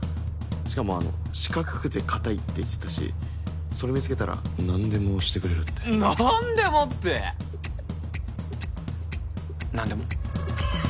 しかも四角くて硬いって言ってたしそれ見つけたら何でもしてくれるって何でもって何でも？